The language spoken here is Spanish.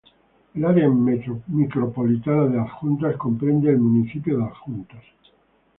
El área micropolitana de Adjuntas comprende el municipio de Adjuntas.